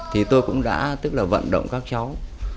thì tôi cũng đã tức là vận động các cháu